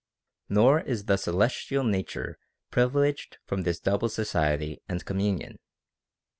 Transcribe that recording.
28. Nor is the celestial nature privileged from this double society and communion.